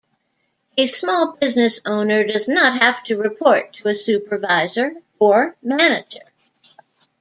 A small business owner does not have to report to a supervisor or manager.